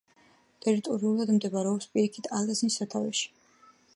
ტერიტორიულად მდებარეობს პირიქითა ალაზნის სათავეში.